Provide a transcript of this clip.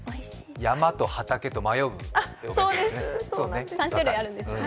山と畑と迷うんですね。